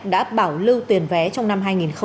đã bảo lưu tiền vé trong năm hai nghìn hai mươi